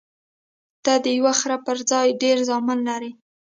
ته د یو خر پر ځای ډېر زامن لرې.